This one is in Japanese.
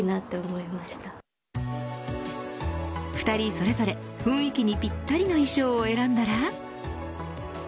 ２人それぞれ雰囲気にぴったりの衣装を選んだら。